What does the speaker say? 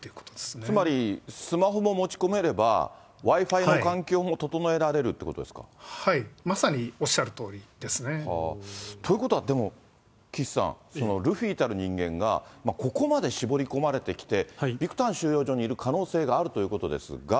つまり、スマホも持ち込めれば、Ｗｉ−Ｆｉの環境も整えられまさにおっしゃるとおりですということは、でも岸さん、そのルフィたる人間が、ここまで絞り込まれてきて、ビクタン収容所にいる可能性があるということですが。